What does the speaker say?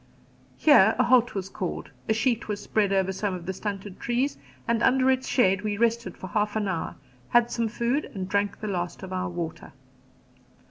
Here a halt was called; a sheet was spread over some of the stunted trees, and under its shade we rested for half an hour, had some food, and drank the last of our water.